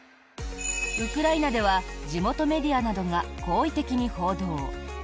ウクライナでは地元メディアなどが好意的に報道。